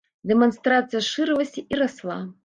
Дэманстрацыя шырылася і расла.